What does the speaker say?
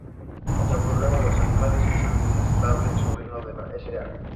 Otro problema de los animales es el detestable sobrino de la Sra.